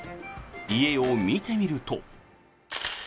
家を見てみると。